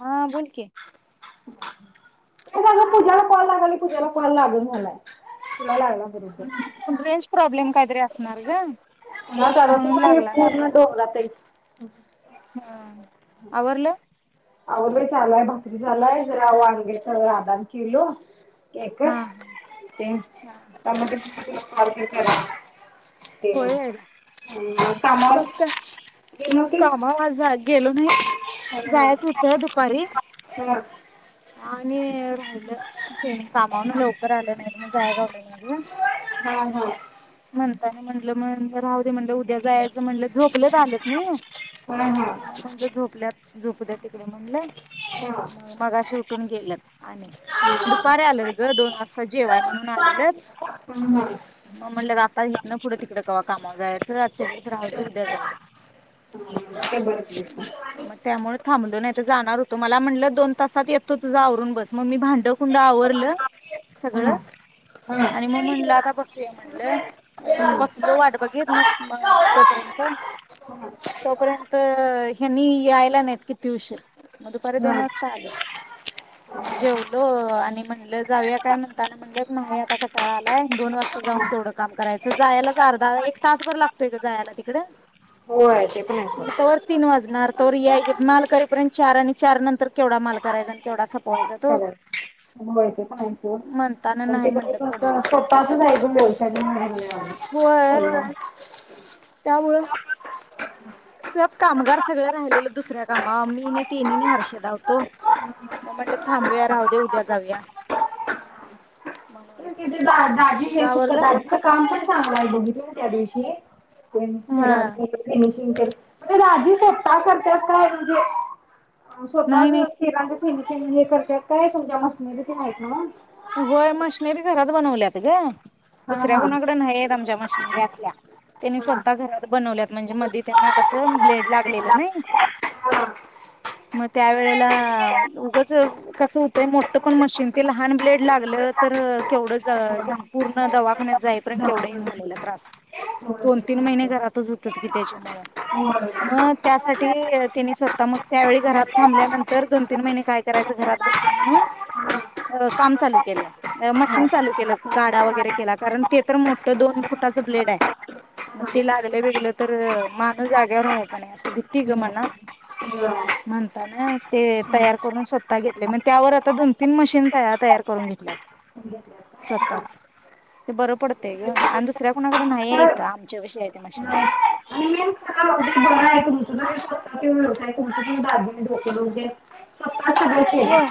हा बोल की, काय झालं पूजाला कॉल लावालोय पूजाला कॉल लागना झालाय. तुला लागला बरोबर हम रेंज प्रॉबलेम काय तरी असेल? असनार ग! या झाडाची म्हणून पान लागला पूर्ण नसेल डोंगरात हाइत. हम् हा आवरल. आवरल चालु हाय भाकरी चालू हाय जरा वांग्याच आदान केलो. एक च हा तीन हा टमाटर तेच कॉल करा. ते हू हू कस काय? कामावर आज ज्याय गेलो नाही हा हा जायच होत दुपारी हा आणि तेनी कामावरनं लव तर आलं नाहीत म जाया गावलं नाय ग हां हां त्यांनी म्हटलं म राहू दे म्हणल उद्या जायचं म्हणलं झोपलेत आलंत. नाही हूं हूं मग झोपल्यात झोपू दया तिकड म्हणलं. म मगाशी उ उठून गेल्यात आणि दुपारी आलंत ग दोन वाजता जेवाय म्हणून आलेलत हा म म्हणलं आता इथन ना पुढं तिकड कवा कामावर जायचं आजच्या दिवस राहू दे उद्या जा ते बरं केलंस म त्यामुळे थांबलो. नायत जाणार होतो मला म्हटलं दोन तासात येत तु तुझ आवरून बस म मी भांड कुंड आवरलं सगळ हा आणि म म्हणलं आता बसूया म्हणलं बसलो वाट बघेत मग तोपर्यंत तोपर्यंत हेनि की आयला नाहीत किती उशीर म दुपारी दोन वाजता आलेत. म जेवलो आणि मग म्हणलं जाऊया काय म्हणताना म्हणलं नाही आता कटाळा आलाय दोन वाजता जाऊन केवड काम कराय त जायालाच अर्धा एक तासभर लागतोय ग जायाला तिकडं होय ते पण आहे सोड म्हणलं तवर तीन वाजणार तवर याय माल करेपर्यंत चार आणि चार नंतर केवढा माल करायच केवडा सप व्हय ते पण हाय सोड म्हणताना नाही म्हणलं पडू [unintelligible] तिकडे स्वतःचाच आहे ग व्यवसाय होय [unintelligible] [unintelligible] त्यात कामगार सगळं राहिलेलं दुसऱ्या कामावर मी नी ती नी नं हर्षदा होतो मग म्हटलं थांबया राहू दे उद्या जाऊया. तिथे दाजी तुझं येईल फक्त आवरलं दाजीच कामंपण चांगला आहे बघितलं न त्या दिवशी [inaudible] म्हणजे हा दाजी स्वतः करत्यात काय म्हणजे नाही स्वतःच नाही केला हे करतात काय तुमच्या मशनरी तर हायत नव्ह? र बनवल्यात ग. हा दुसऱ्या हा कुणाकडे नाहीेत आमच्या म प्रश्री असल्या त्यांनी हा स्वतः घरात बनवल्यात म्हणजे मधी त्यांना कसं ब्लेड लागलेलं नई, मग त्यावेळेला उगच कसं होतंय मोठं पण मशीन ते लहान ब्लेड लागलं तर केवढं पूर्ण दवाखान्यात जाईपर्यंत केवढ हे झालेला त्रास दोन तीन महिने घरातच होतात की त्याच्यामुळे मग त्यासाठी त्यानी स्वतः मग त्यावेळी घरात थांबल्यानंतर दोन तीन महिने काय करायचं घरात बसून म्हणून परत काम चालू केलं मशीन चालू केलं गाडा वगैरे केला कारण ते तर मोठं दोन फुटाचं ब्लेड आहे. मग ते लागलं बिगलं तर माणूस जाग्यावर राहायचं नाही असं बी तिघ म्हणत म्हणताना ते तयार करून स्वतः घेतले मग त्यावर आता दोन तीन मशीनस हयात तयार करून घेतल्यात स्वतःच ते बरं पडतय ओ आणि दुसऱ्या कोणाकडे नाहीये इथं आमच्यापाशी आहे त्या मशनर आणि मेन खरा उद्योग बरा बाजूचं डोकं धू दे स्पाचं होय,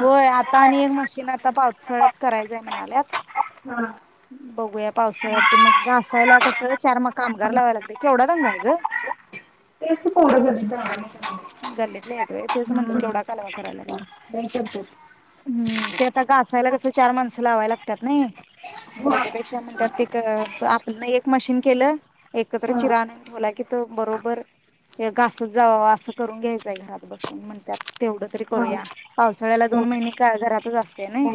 होय आता आणि एक मशीन आता पावसाळ्यात करायचंय म्हणाल्यात. हा बघूया पावसाळ्यात ते मग घासायला कसं चार मग कामगार लावायला लागत्यात. केवढा दंगा आहे ग? तेच की पोरं गरीब दाराने करायला. गल्लीतले येत तेच म्हणल हम्म. केवढा कालवा करायला हा, लई करतात. हम्म ते आता घासायला कस चार माणसं लावायला लागतात नाही त्याच्यापेक्षा म्हणतात ते आपल्या एक मशीन केलं एकत्र हा चिरा आणून ठेवला कि तो बरोबर घासच जावावा अस करून घ्यायचंय घरात बसून म्हण त्यात तेवढ तरी हा करूया हा पावसाळ्याला हो दोन महिने का घरातच असते नई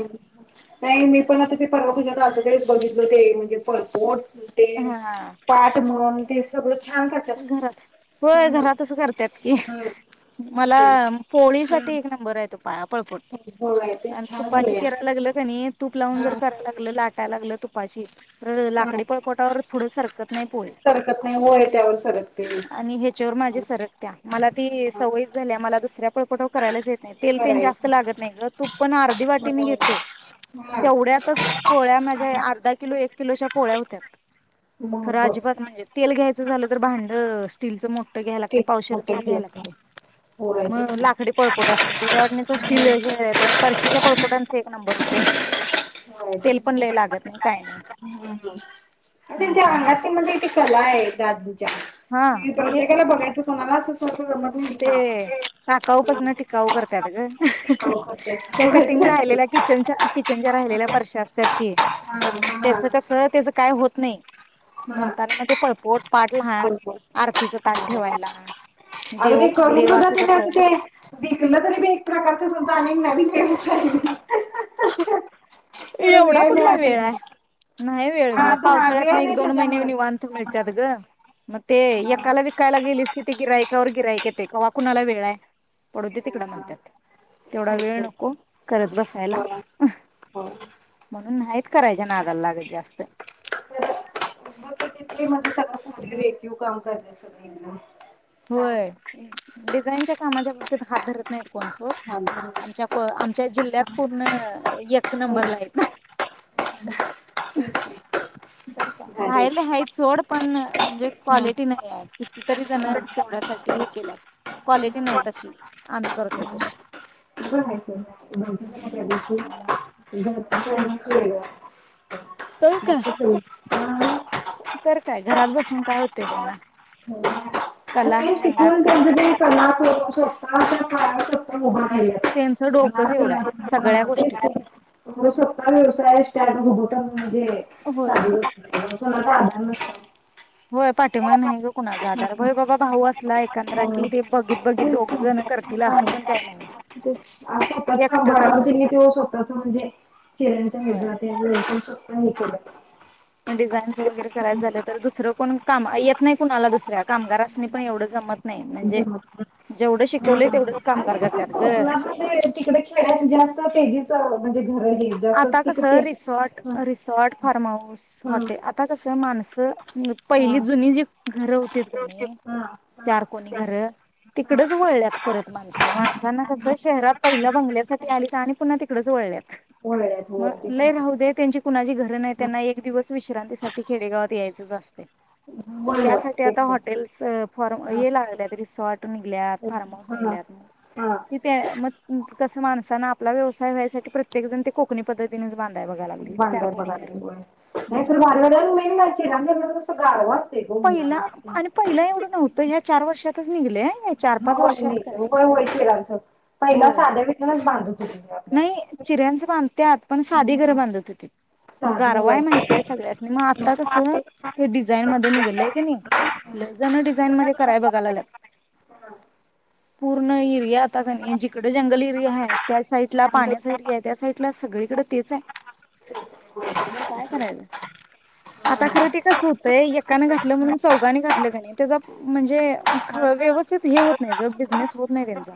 नाही मी पण आता ते परवा तुझ्या असकडेच बघितलं ते म्हणजे फफोट ते हा पाच म्हणून ते सगळं छान करतात. घरात हो हम्म. घरात अस करतात की हम्म. मला पोळीच साठी हम्म. एक नंबर आहे तो पाळ पोळपाट. होय ते आणि छान तुपाची झालंय किरा लागल क नाही तूप लावून हा जर कराव लागलं लाट कराय लागलं तुपाची हा लाकडी पोळपाटावर पुढं सरकत नाही पोळी सरकत नाही होय त्यावर सरकते. आणि ह्याच्यावर माझेस सरकतीया मला ती हा सवयच झालीया, मला दुसऱ्या पोळपाटावर करायलाच येत ना य तेल तेन कराय जास्त लागत नाहीत ग. तूप पण अर्धी वाटी मी होय. घेतोय हा तेवढ्यातच पोळ्या माझ्या अर्धा किलो एक किलोच्या पोळ्या होत्या मग खर बघ अजिबात म्हणजे तेल घ्यायचं झालं क तर भांड स्टीलचं मोठं घ्यायला लाग तर ठीक पावशेर मोठे तेल होय घ्यायला लागतंय, तेच मग ना. लाकडी पोळपाट असतंय त्याच्या वाटणीच स्टील हे परशीच्या पळपोटांचा एक नंबर हो ते होय तेच तेल पण ना. लय लागत नाही. काय नाही हम्म त्यांच्या म्हणताना आंगात ते म्हणजे ती कला आहे एक अद्भुत हा ते प्रत्येकाला बघायचं तुम्हाला अस सा ते टाकाउपासन टिकाऊ करत्यात ग हो करते त्या कटिंग बघायच लागते. राहिलेल्या किचनच्या किचनच्या हा राहिलेल्या पर्श्या असत्यात की. हा मग हा त्याचं कस हा. त्याचं काय होत नाही म्हणताना मग ते पळपोट पाठ लहान आरतीच ताट ठेवायला अग ते देव करून सुद्धा देवाचं ते त्याच कसं ते विकलं तरी एक प्रकारच सुद्धा आणि नवीन [unintelligible] त्याला एवढा कुठला मिळाला वेळ पाहिजे. आहे नाही वेळ हा व हा पावसाळ्यात वेळ नाही एक दोन महिने त्याच्यामुळे ग. निवांत मिळतो. त्यात ग मग ते हा हा. एकाला विकायला गेलीस कि ते गिराईकावर गिराईक येत क्हा कुणाला वेळ आहे पडू ते तिकड म्हणतात तेवढा आहेच वेळ सोड. नको हो करत बसायला हो म्हणून नाहीत करायच्या नादाला लागत जास्त तिथली म्हणजे सगळं रेखीव काम करते सगळे मिळुन होय जाईनाच्या कामाच्या बाबतीत हात धरत नाहीत कोण सोड आमच्या को च्या जिल्ह्यात पूर्ण एक नंबरला येत आहेत तरका अरे बाहेरले हयात सोड पण म्हणजे हा क्वालिटी नाही आहे कितीतरी जण तेवढ्यासाठी हे केल्यात क्वालिटी नाही तशी आम्ही करतोय तशी हम्म [unintelligible] त्यामुळे हो [unintelligible] तर काय मकीपोहे तर काय घरात बसून काय होतंय त्यांना कला आणि आहे अंगात शिकून करतात कला होू शकता फक्त मोबाईल त्याचं डोक डोकच एवढं आहे सगळ्या तेच गोष्टीत की. स्वतः व्यवसाय स्टार्ट होत म्हणजे होय साधी गोष्ट नाही ओ [unintelligible] होय पाठीमाग नाही ग कुणाचा आधार होय बाबा भाऊ असला एकंद्र हो. कि ते बघीत बघीत तेच दोघ की. जण करतील हा. असं आज पण काही नाही एक मी ते स्वतःच म्हणजे चिऱ्यांच्या होय म नाही केलं डिझाईन वगैरे करायच झालं तर दुसरं कोण काम येत नाही कुणाला दुसऱ्या कामगारासनी पण एवढं जमत नाही म्हणजे जमत पण जेवढं शिकवले तेवढंच कामगार कर त्यात ग पण जास्त तेजीच घर हे जा अस आता तिक कसं ते resort resort farm house hotel आता कसं माणसं पहिली हा जुनी जी घरं होतीत क नाही हा हा चारकोणी घरं [unintelligible] हा तिकडच वळल्यात परत माणसं. माणसांना कसं शहरात पहिल बंगल्यासाठी आली तर आणि पुन्हा तिकडच वळल्यात. [unintelligible] वळल्यात म होय ते पण लय राहू दे हाय त्यांची कुणाची घ [inaudible] त्यांना एक दिवस विश्रांतीसाठी खेडेगावात यायचच असतय. मग होय होय त्यासाठी ते आता पण हॉटेलंच फॉर्म हे लागल्यात रिसॉर्ट निघल्यात, फार्म हाऊस हाय हा निघल्यात मग हा हित मग कस माणसान आपला व्यवसाय व्हायसाठी प्रत्येण जण ते कोकणी पद्धतीनच बांध बांधाय बगालिया होय नाही तर हम्म. भारी वाल्या [unintelligible] च गारवा. गं पहिला उन्हात आणि पहिल एवढं नव्ह ह्या चार वर्षातच निघलय हे. हा होय नाही होय होय खिराच. पहिल होय साध्या विटांनच बांध नाही. चिऱ्यांचं बांधत्यात, पण साधी घरं आपल्या बांधत होती. मग साधी गारवा हाय होय माहितीय सगळ्यासनी, मग आता कसं ते डिझाईन मध्ये निघलंय. नाही लयजन डिझाईन मध्ये कराय बघायला लागल्यात, हा पूर्ण एरिया आता कानई नाही जिकड जंगल एरिया हाय त्या साइ ला पाण्याचा एरियाय त्या साइडला सगळीकडे तेच आहे. काय करायचं आता खर ते कस होतंय एकान घातलं म्हणून चौघाने घातलं कणी त्याचा म्हणजेख व्यवस्थित हे होत नाही ग बिजनेस होत नाही त्यांचा.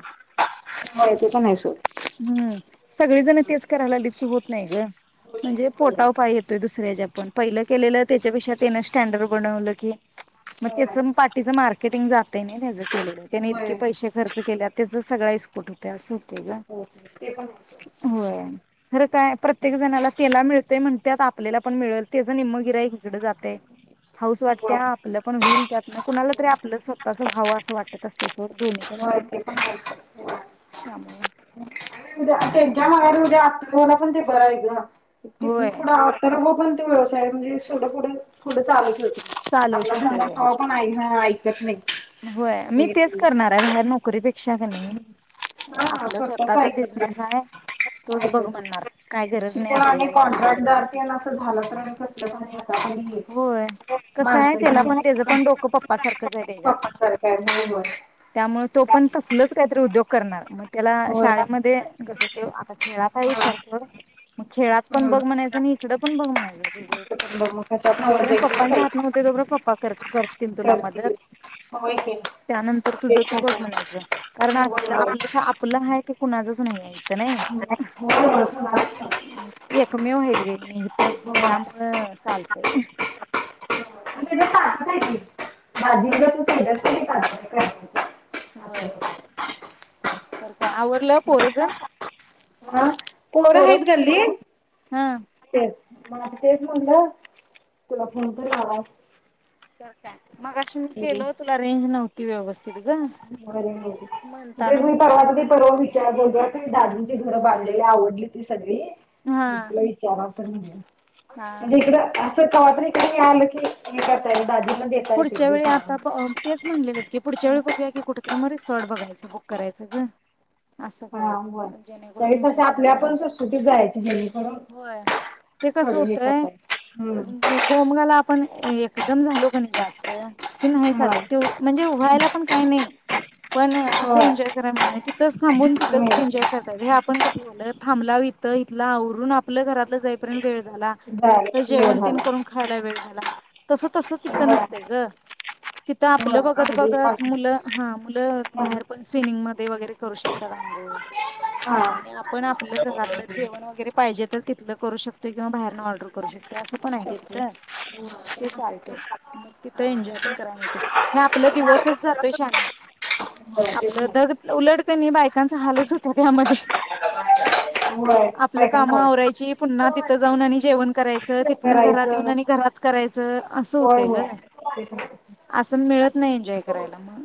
हा ते पनाय सोड. हम् सगळीजण तेच करायला लालीत की होत नाही ग, म्हणजे होय पोटाव पाय येतोय दुसऱ्याच्या ज्या पण पहिलं केलेलं त्याच्यापेक्षा त्यान स्टँडर्ड बनवलं की, [unintelligible] मग त्याचं पाठीचं मार्केटिंग जातय नाही त्याच केलेलं त्याने इतके होय पैसे खर्च केल्या त्याच सगळा इस्कूट होत असं होतय ग. हो ते पण होतं. होय [unintelligible] खरं काय प्रत्येक जणाला तेला मिळतंय म्हणत्यात आपल्याला पण मिळल. तेज निम्म गिराइक एककडे जातय. हाऊस होय वाटत्या आपलं पण वईल त्यातन कुणाला तरी आपलं स्वतःच व्हावं असं वाटत असतय सोड दोन्हीकडनं होय पण ते आहे सोड त्यामुळ. [unintelligible] [unintelligible] पण ते बरंय ग. तिथून होय पुढ [unintelligible] कोणते व्यवसाय म्हणजे [unintelligible] पुढे चालवू शकतोय होय. आपला [unintelligible] [unintelligible] होय, मी तेच करणाराय बाहेर नो कढीपेक्षा क नही स्वतःच ऐकत नाही तोच ऐकत बघ म्हणणार नाही काय गरज नाही शिकून आणि आपल्याला एवढं हे करत कॉन्ट्रॅक्टदार तेन बसायची असं झालं तर कसल भारी होय आता कसं माणस आहे त्याला पण त्याचं पण डोकं पप्पा सारखंच आहे त्याच्या सरकार नाही होय त्यामुळे तो पण तसलच काहीतरी उद्योग करणार, मग त्याला होय. शाळेमध्ये कसं त्यो आता खेळात आहे हा हुशार, सोड मग खेळात पण हम्म. बघ म्हणायचं आणि इकडं पण बघ म्हणायचं तुझं. [unintelligible] करत कोर तिन तुला मदत करतील होय की. त्यानंतर तुझ तेच तु ना बग तर. म्हणायचं, कारण होय असल होय. आपलं सा आपलं हाय ते कुणाचच नाही आहे इथ नाही होय होय सुनामीच होय. एकमेव हाय ग मी इथ त्यामुळ चालतय पण त्याच्या ताटात आहे की भाजी उद्या तू [inaudible] केल्यास कणी ताटात करण्याच्या. होय तर काय आवरलं पोरग पोर आहेत गल्ली हा मग आता तेच मनल तुला फोन तर लावावं. तर काय मगाशी मी केल तुला रेंज नव्हत ती व्यवस्थित ग [inaudible] त्याबरोबर दादांची घरं बांधलेली आवडली ती सगळी. हा तुला विचारा [inaudible] हा म्हणजे हा इकडं असं कवा तरी घरी आलं की करता [inaudible] पुढच्या येतील वेळी काम. आता ब तेच म्हणलेलेत की पुढच्या वेळी बघूया की कुठे [inaudible] म रिसॉर्ट बघायचं बुक करायचं ग असं हा बर करायचं जेणेकरून त्यावेळेस एनजॉय अशा पण आपल्या करायला सुटसुटीत जायची जेणेकरून होय ते कस सगळं हे होतय करता येईल. हम्म गोमगाला पण एकदम झालो पण जास्त कि नाही हा चालत ते म्हणजे व्हायला पण काही नाही पण असं होय एन्जॉय कराय मिळणार क थांबून तिथच मिळेल एन्जॉय करताय पण कसं झालं थांबलाव इथ इथलं आवरून आपलं घरातलं जाईपर्यंत वेळ झाला झालं वेळ जेवण तेन झाला. करून खायला वेळ झाला तसं तसं ती होय नसतय ग तर आपलं होय बघत आंघोळ -बघत पाणी मुलं हा मुलं बाहेर पण स्विमिंग म वगैरे करू शकता अंगोळ हा. आणि आपण आपलं घरातलं जेवण वगैरे पाहिजे तर तिथलं करू शकतोय किंवा बाहेर ऑर्डर करू शकतोय अस ओके ते चालतय मग तिथं एन्जॉय पण कराय मिळतय हे आपला दिवसचं जातोय श्याने, होय ते आपलं पण दग आहे उलट कनी बायकांच हालच होत्यात ह्यामध्ये होय आपलं बायकांना कामं होय आवरायची पुन्हा ती तीथ जाऊन आणि जेवन करायचं च तिथनं घरात येऊन करायचं आणि घरात करायचं असं होत. होय होय. अस मिळत नाही एन्जॉय करायला मग,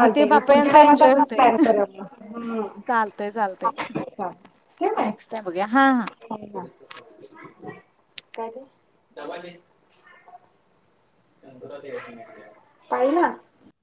मग ते घे पुढच्या बापयांचा टायमिंग एन्जॉय पासून होतय तयारी करुया मग चालतंय चालतंय हम चालतय. नेक्स्ट टाईम बघुया. हां हां काय ते डबा दे पाहिला?